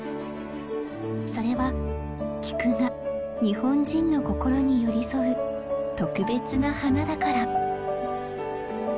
それはキクが日本人の心に寄り添う特別な花だから。